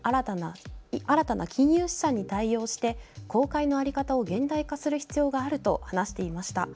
新たな金融資産に対応して公開の在り方を現代化する必要があると話していました。